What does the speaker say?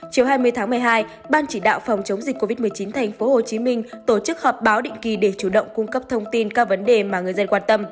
chiều hai mươi tháng một mươi hai ban chỉ đạo phòng chống dịch covid một mươi chín tp hcm tổ chức họp báo định kỳ để chủ động cung cấp thông tin các vấn đề mà người dân quan tâm